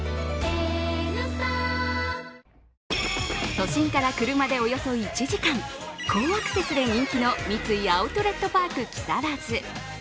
都心から車でおよそ１時間高アクセスで人気の三井アウトレットパーク木更津。